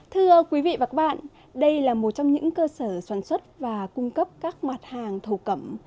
thưa quý vị và các bạn đây là một trong những cơ sở sản xuất và cung cấp các mặt hàng thổ cẩm